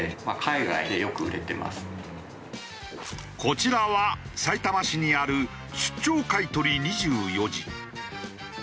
こちらはさいたま市にある出張買取２４時。